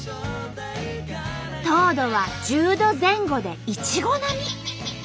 糖度は１０度前後でいちご並み！